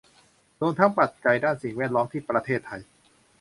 รวมทั้งปัจจัยด้านสิ่งแวดล้อมที่ประเทศไทย